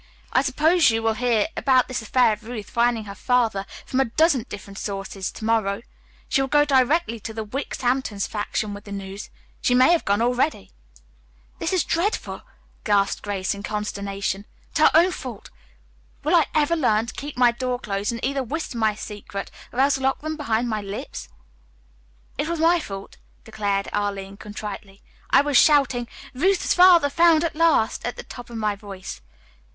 I suppose you will hear about this affair of Ruth finding her father from a dozen different sources to morrow. She will go directly to the Wicks Hampton faction with the news. She may have gone already." [Illustration: "She was Standing Close to the Door."] "This is dreadful," gasped Grace in consternation, "but our own fault. Will I ever learn to keep my door closed and either whisper my secrets or else lock them behind my lips?" "It was my fault," declared Arline contritely. "I was shouting, 'Ruth's father found at last!' at the top of my voice.